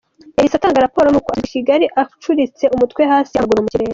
Yahise atanga raporo n’uko asubizwa Kigali acuritse umutwe hasi amaguru mu kirere.